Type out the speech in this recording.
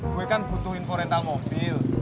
gue kan butuh info rental mobil